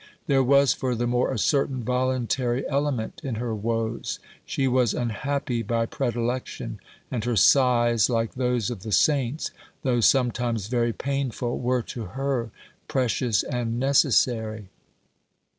There was, furthermore, a certain voluntary element in her woes ; she was unhappy by predilection, and her sighs, like those of the saints, though sometimes very painful, were to her precious and necessary.